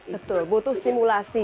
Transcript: betul butuh stimulasi